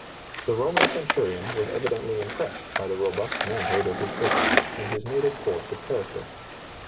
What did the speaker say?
The Roman cen turion was evidently impressed by the robust manhood of his prisoner and his native force of character.